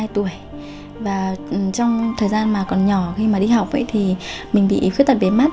tôi bị hỏng một mắt từ khi một mươi hai tuổi và trong thời gian mà còn nhỏ khi mà đi học ấy thì mình bị khuyết tật bế mắt